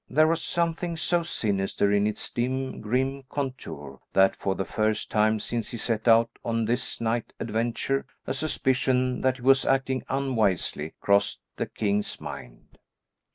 There was something so sinister in its dim, grim contour that for the first time since he set out on this night adventure, a suspicion that he was acting unwisely crossed the king's mind.